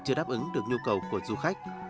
chưa đáp ứng được nhu cầu của du khách